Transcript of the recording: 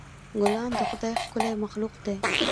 ګلان د خدای ښکلی مخلوق دی.